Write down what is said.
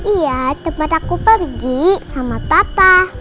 iya tempat aku pergi sama papa